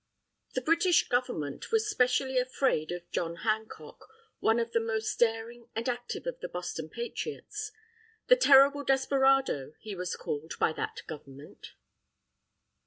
The British Government was specially afraid of John Hancock, one of the most daring and active of the Boston Patriots. "The terrible desperado," he was called by that Government.